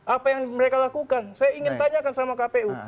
apa yang mereka lakukan saya ingin tanyakan sama kpu